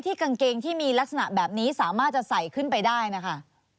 กางเกงที่มีลักษณะแบบนี้สามารถจะใส่ขึ้นไปได้นะคะ